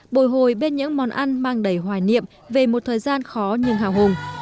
bồi hồi bên những món ăn mang đầy hoài niệm về một thời gian khó nhưng hào hùng